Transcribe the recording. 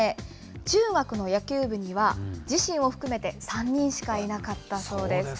中学の野球部には、自身を含めて３人しかいなかったそうです。